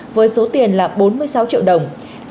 với số tiền là bốn mươi sáu triệu đồng